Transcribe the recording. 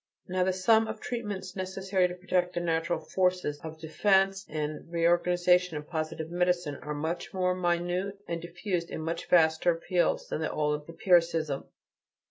Now the sum of treatments necessary to protect the natural forces of defense and reorganization in positive medicine, are much more minute and are diffused in much vaster fields than the old empiricism.